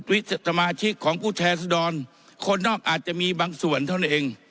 สมาชิกของผู้แทนสดรคนนอกอาจจะมีบางส่วนเท่านั้นเอง